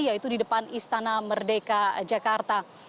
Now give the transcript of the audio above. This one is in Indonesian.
yaitu di depan istana merdeka jakarta